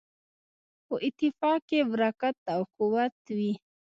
په اتفاق کې برکت او قوت وي.